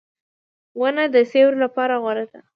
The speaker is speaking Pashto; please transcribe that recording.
• ونه د سیوری لپاره غوره ده.